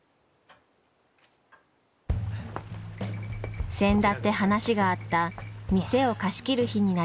せんだって話があった店を貸し切る日になりました。